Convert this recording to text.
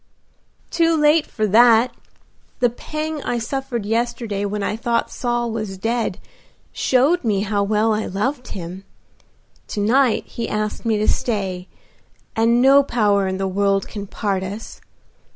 "Too late for that. The pang I suffered yesterday when I thought Saul was dead showed me how well I loved him. To night he asked me to stay, and no power in the world can part us.